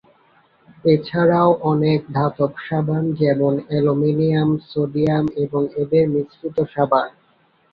এছাড়াও অনেক ধাতব সাবান যেমন অ্যালুমিনিয়াম, সোডিয়াম এবং এদের মিশ্রিত সাবান।